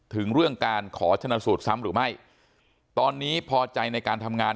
ถึงเรื่องการขอชนะสูตรซ้ำหรือไม่ตอนนี้พอใจในการทำงาน